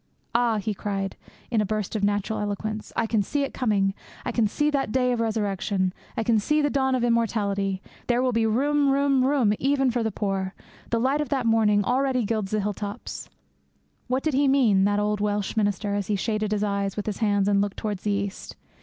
Ah!' he cried in a burst of natural eloquence, 'I can see it coming! I can see the day of the resurrection! I can see the dawn of immortality! There will be room, room, room, even for the poor! The light of that morning already gilds the hilltops!' What did he mean, that old Welsh minister, as he shaded his eyes with his hands and looked towards the East?